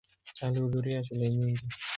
Alihudhuria shule nyingi.